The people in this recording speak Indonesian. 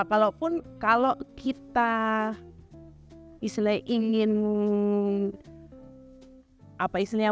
walaupun kalau kita ingin apa istilahnya